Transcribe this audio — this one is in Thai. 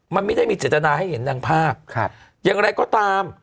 มันไม่ได้มีเจตนาให้เห็นนางภาพอย่างไรก็ตาม